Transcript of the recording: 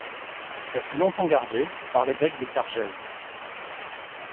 Elle fut longtemps gardée par les Grecs de Cargèse.